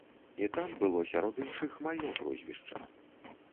І там было сярод іншых маё прозвішча.